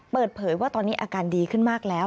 เปิดเผยว่าตอนนี้อาการดีขึ้นมากแล้ว